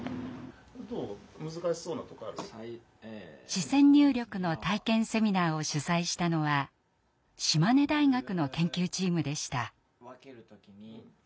視線入力の体験セミナーを主催したのは島根大学の研究チームでした。